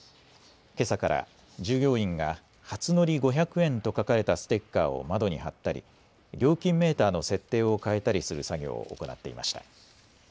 けさから従業員が初乗５００円と書かれたステッカーを窓に貼ったり料金メーターの設定を変えたりする作業を行っていました。